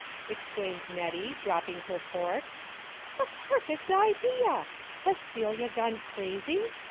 " exclaimed Net tie dropping her fork. " The perfect idea I Has Celia gone crazy